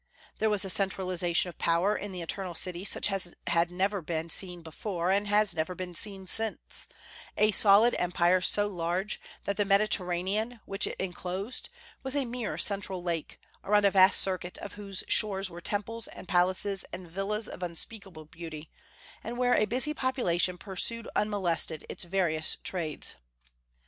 There was a centralization of power in the Eternal City such as had never been seen before and has never been seen since, a solid Empire so large that the Mediterranean, which it enclosed, was a mere central lake, around the vast circuit of whose shores were temples and palaces and villas of unspeakable beauty, and where a busy population pursued unmolested its various trades.